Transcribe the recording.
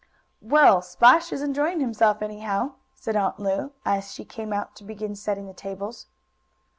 "Well, Splash is enjoying himself anyhow," said Aunt Lu, as she came out to begin setting the tables.